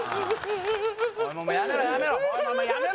やめろやめろ